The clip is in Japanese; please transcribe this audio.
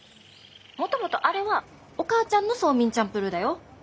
もともとあれはお母ちゃんのソーミンチャンプルーだよ。